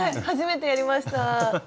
初めてやりました。